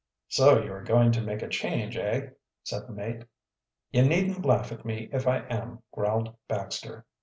"So you are going to make a change, eh?" said the mate. "You needn't laugh at me, if I am," growled Baxter.